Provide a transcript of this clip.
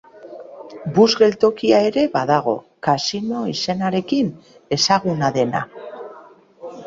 Bus geltokia ere badago, kasino izenarekin ezaguna dena.